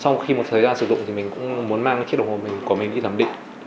nếu mà mình sử dụng thì mình cũng muốn mang chiếc đồng hồ của mình đi thẩm định